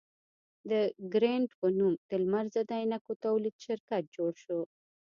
د ګرېنټ په نوم د لمر ضد عینکو تولید شرکت جوړ شو.